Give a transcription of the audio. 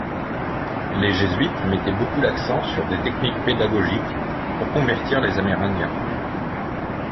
Les jésuites mettaient beaucoup l'accent sur des techniques pédagogiques pour convertir les Amérindiens.